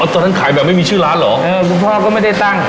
ตอนนั้นขายแบบไม่มีชื่อร้านเหรอเออคุณพ่อก็ไม่ได้ตั้ง